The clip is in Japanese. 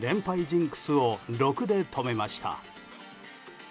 ジンクスを６で止めました。